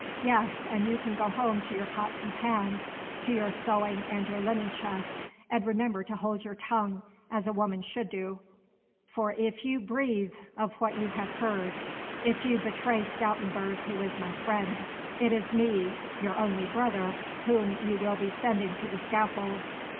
"Yes, and you can go home to your pots and pans, to your sewing and your linen chest, and remember to hold your tongue, as a woman should do, for if you breathe of what you have heard, if you betray Stoutenburg who is my friend, it is me your only brother whom you will be sending to the scaffold."